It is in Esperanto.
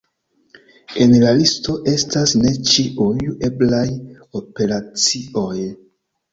En la listo estas ne ĉiuj eblaj operacioj.